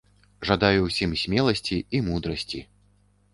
Жадаю ўсім смеласці і мудрасці!